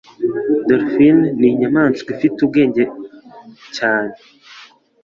Dolphine ninyamaswa ifite ubwenge cyane.